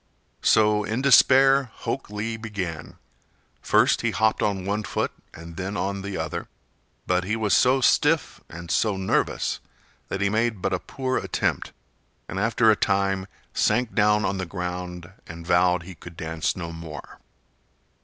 So in despair Hok Lee began. First he hopped on one foot and then on the other, but he was so stiff and so nervous that he made but a poor attempt, and after a time sank down on the ground and vowed he could dance no more.